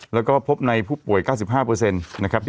แล้วก็พบในผู้ป่วย๙๕นะครับ